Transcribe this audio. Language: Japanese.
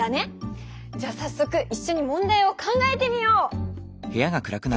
じゃあさっそくいっしょに問題を考えてみよう！